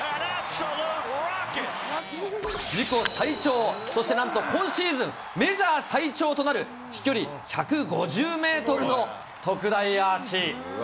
自己最長、そしてなんと今シーズンメジャー最長となる飛距離１５０メートルの特大アーチ。